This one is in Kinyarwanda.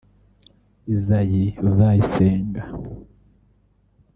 Isaie Uzayisenga